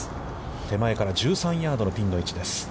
手前より１３ヤードのピンの位置です。